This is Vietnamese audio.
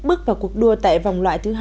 bước vào cuộc đua tại vòng loại thứ hai